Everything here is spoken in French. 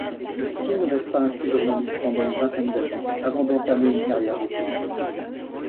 Kim resta ainsi journaliste pendant une vingtaine d'années avant d'entamer une carrière d'écrivain.